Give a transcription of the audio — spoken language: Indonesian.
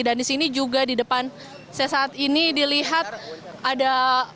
dan di sini juga di depan saya saat ini dilihat ada